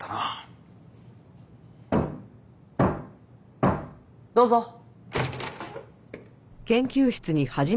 ・どうぞ。